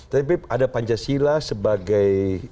tapi ada pancasila sebagai